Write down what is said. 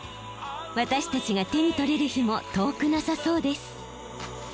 私たちが手に取れる日も遠くなさそうです。